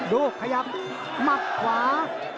ดูขยับมักขวา